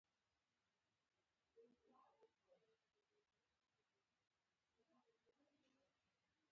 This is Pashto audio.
دا ښار ډېر ژر پر استوګنځي بدل شو.